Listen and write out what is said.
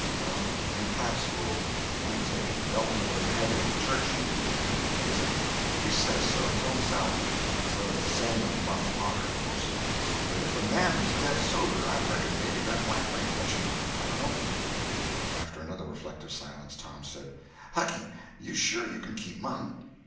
Well, when pap's full, you might take and belt him over the head with a church and you couldn't phase him. He says so, his own self. So it's the same with Muff Potter, of course. But if a man was dead sober, I reckon maybe that whack might fetch him; I dono." After another reflective silence, Tom said: "Hucky, you sure you can keep mum?"